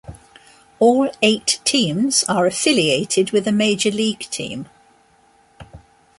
All eight teams are affiliated with a major league team.